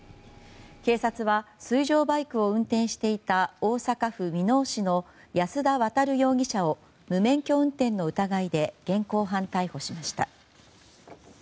警察は水上バイクを運転していた大阪府箕面市の安田亘容疑者を無免許運転の疑いで現行犯逮捕しました。